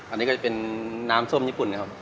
อันนี้ก็จะเป็นน้ำส้มญี่ปุ่นนะครับ